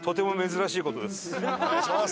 お願いします。